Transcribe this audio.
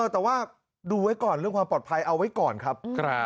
แต่ว่าดูไว้ก่อนเรื่องความปลอดภัยเอาไว้ก่อนครับ